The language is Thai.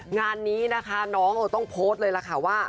งานนี้นะคะน้องต้องโพสต์เลยล่ะค่ะว่า